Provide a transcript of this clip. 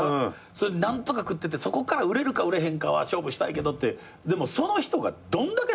何とか食っててそこから売れるか売れへんかは勝負したいけどってでもその人がどんだけ少ないかって。